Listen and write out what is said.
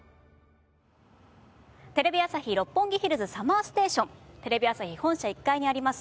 テレビ朝日・六本木ヒルズＳＵＭＭＥＲＳＴＡＴＩＯＮテレビ朝日本社１階にあります